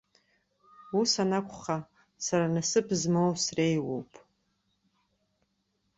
Ус анакәха, сара насыԥ змоу среиуоуп!